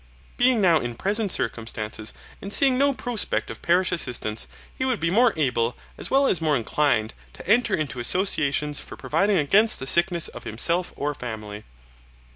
Being now in better circumstances, and seeing no prospect of parish assistance, he would be more able, as well as more inclined, to enter into associations for providing against the sickness of himself or family.